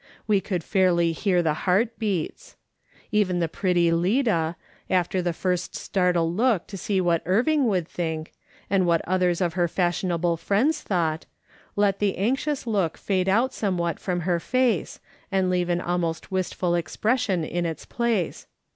We could fairly hear the heart beats. Even the pretty Lida, after a first startled look to see what Irving would think, and what others of her fashionable friends thought, let the anxious look fade out somewhat from her face, and leave an almost wistful expression in its place.